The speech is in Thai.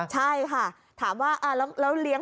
ใช่ค่ะถามว่าแล้วเลี้ยง